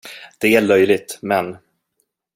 Det är löjligt, men.